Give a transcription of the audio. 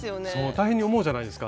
大変に思うじゃないですか。